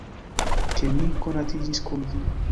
Ke mi konatiĝis kun vi.